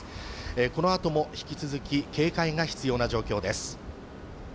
このあとも引き続き警戒が必要な状況です。